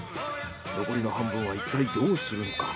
残りの半分はいったいどうするのか。